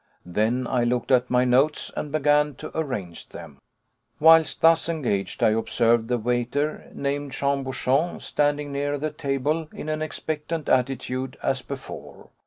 Then I looked at my notes, and began to arrange them. Whilst thus engaged I observed the waiter, named Jean Bouchon, standing near the table in an expectant attitude as before.